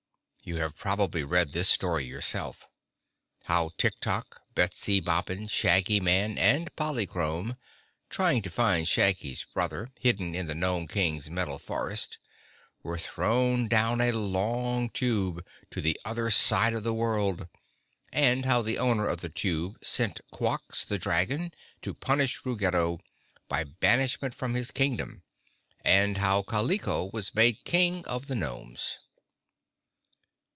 You have probably read this story yourself. How Tik Tok, Betsy Bobbin, Shaggyman and Polychrome, trying to find Shaggy's brother, hidden in the Gnome King's metal forest, were thrown down a long tube to the other side of the world, and how the owner of the tube sent Quox, the dragon, to punish Ruggedo by banishment from his Kingdom and how Kaliko was made King of the Gnomes.